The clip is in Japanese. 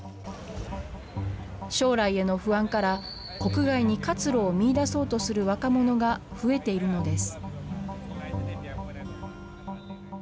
将来への不安から、国外に活路を見いだそうとする若者が増えているのです。